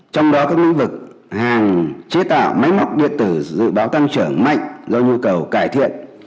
trong đó các lĩnh vực hàng chế tạo máy móc điện tử dự báo tăng trưởng mạnh do nhu cầu cải thiện